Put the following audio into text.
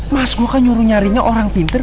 mas gue kan nyuruh nyarinya orang pinter